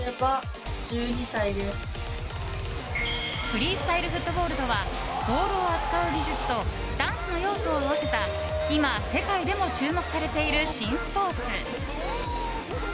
フリースタイルフットボールとはボールを扱う技術とダンスの要素を合わせた今、世界でも注目されている新スポーツ。